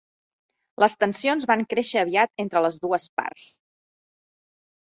Les tensions van créixer aviat entre les dues parts.